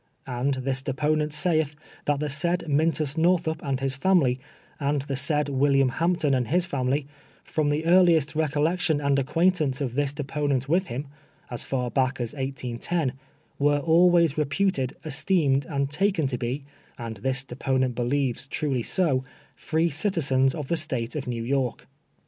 And this deponent saith that the said Alintus Northup and his family, and the said William Hampton and liis family, from the earliest recollection and acquaintance of this deponent with him (iis far back as 1810,) were always reputed, esteemed, and taken to be, and this deponent believes, truly so, free citizens of the State of New York.